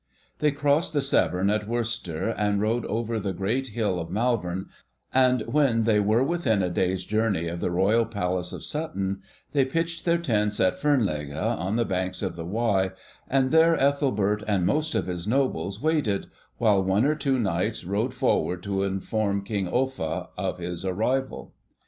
They crossed the Severn at Worcester, and rode over the great hill of Malvern, and when they were within a day's journey of the Royal Palace of Sutton, they pitched their tents at Fernlege, on the banks of the Wye, and there Ethelbert and most of his nobles waited, while one or two knights rode forward to inform King Offa of his arrival.